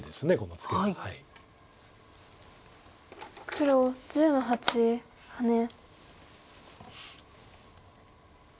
黒１０の八ハネ。